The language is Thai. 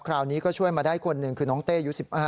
คราวนี้ก็ช่วยมาได้คนหนึ่งคือน้องเต้อายุ๑๕